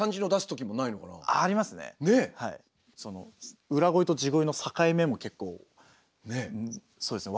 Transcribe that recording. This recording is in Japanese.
その裏声と地声の境目も結構そうですね